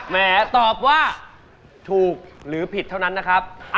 แหมตอบว่าถูกหรือผิดเท่านั้นนะครับ